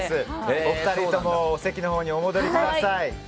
お二人ともお席のほうにお戻りください。